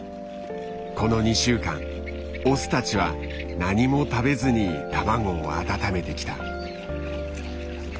この２週間オスたちは何も食べずに卵を温めてきた。